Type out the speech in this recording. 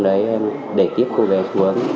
đấy em đẩy tiếp cô bé xuống